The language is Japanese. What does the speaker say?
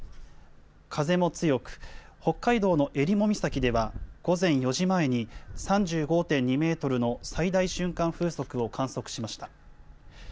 風も強く、北海道のえりも岬では、午前４時前に３５．２メートルの最大瞬間風速を観測しました。